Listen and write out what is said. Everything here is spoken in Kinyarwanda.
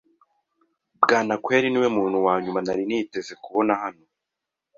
Bwanakweli niwe muntu wa nyuma nari niteze kubona hano.